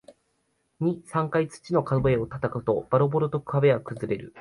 二、三回土の壁を叩くと、ボロボロと壁は崩れる